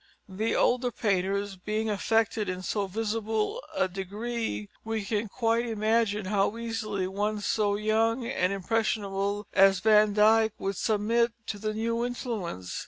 The older painters being affected in so visible a degree, we can quite imagine how easily one so young and impressionable as Van Dyck would submit to the new influence.